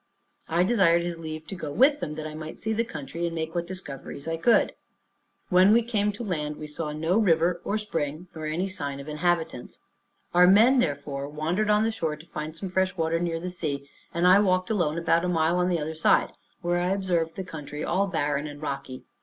I desired his leave to go with them, that I might see the country, and make what discoveries I could. When we came to land, we saw no river, or spring, nor any sign of inhabitants. Our men therefore wandered on the shore to find out some fresh water near the sea, and I walked alone about a mile on the other side, where I observed the country all barren and rocky.